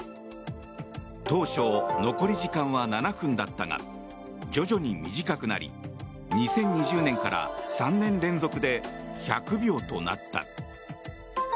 当初、残り時間は７分だったが徐々に短くなり２０２０年から３年連続で１００秒となった。